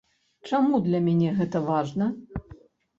Чаму для мяне гэта важна?